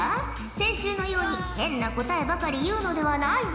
先週のように変な答えばかり言うのではないぞ。